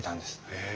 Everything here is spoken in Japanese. へえ。